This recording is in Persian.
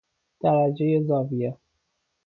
درجه زاویه